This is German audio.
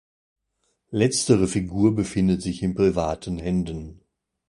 Letztere Figur befindet sich in privaten Händen.